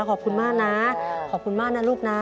ขอบคุณมากนะขอบคุณมากนะลูกนะ